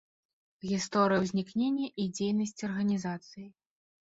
Гісторыя ўзнікнення і дзейнасць арганізацый.